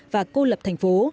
và cô lập thành phố